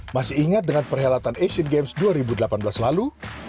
masih ingat dengan perhelatan asian games dua ribu delapan belas lalu